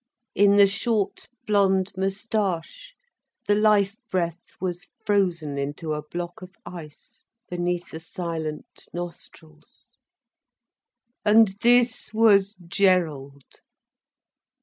In the short blond moustache the life breath was frozen into a block of ice, beneath the silent nostrils. And this was Gerald!